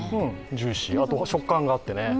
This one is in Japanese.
ジューシー、あと食感があってね。